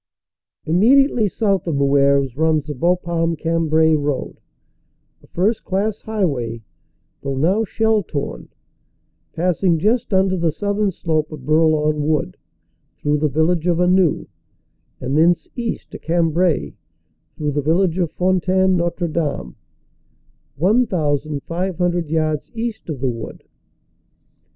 Immediately south of Moeuvres runs the Bapaume Cam brai road, a first class highway though now shell torn, passing just under the southern slope of Bourlon Wood, through the village of Anneux, and thence east to Cambrai through the village of Fontaine Notre Dame, 1,500 yards east of the wood.